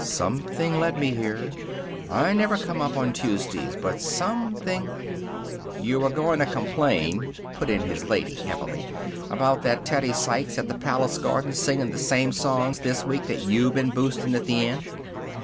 "Something led me here. I never come up on Tuesdays. But something " "You was going to complain," put in his lady, heavily, "about that Teddy Sykes at the Palace Gardens singing the same songs this week that you been boosting at the Inn."